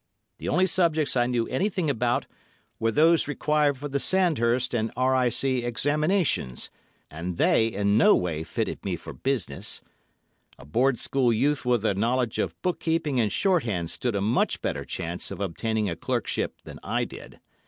The only subjects I knew anything about were those required for the Sandhurst and R.I.C. Examinations, and they in no way fitted me for business. A board school youth with a knowledge of book keeping and shorthand stood a much better chance of obtaining a clerkship than I did.